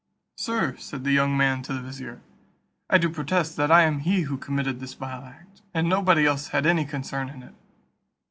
"Sir," said the young man to the vizier, "I do protest that I am he who committed this vile act, and nobody else had any concern in it."